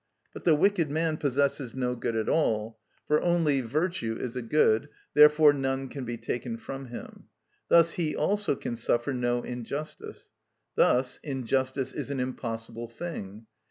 But the wicked man possesses no good at all, for only virtue is a good; therefore none can be taken from him. Thus he also can suffer no injustice. Thus injustice is an impossible thing."